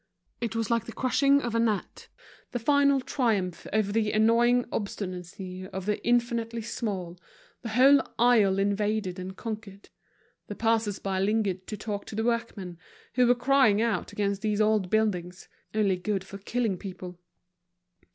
It was like the crushing of a gnat, the final triumph over the annoying obstinacy of the infinitely small, the whole isle invaded and conquered. The passers by lingered to talk to the workmen, who were crying out against these old buildings, only good for killing people.